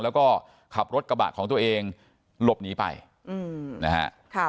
แล้วก็ขับรถกระบะของตัวเองหลบหนีไปนะฮะ